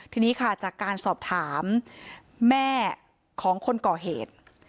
ทีนี้ค่ะจากการสอบถามแม่ของคนก่อเหตุ